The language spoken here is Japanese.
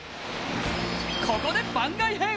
ここで番外編。